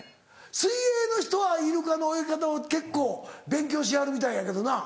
水泳の人はイルカの泳ぎ方を結構勉強しはるみたいやけどな。